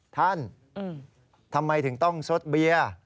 ท่านทำไมถึงต้องซดเบียร์